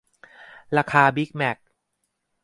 ราคาบิกแมค